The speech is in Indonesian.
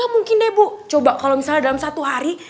mungkin deh bu coba kalau misalnya dalam satu hari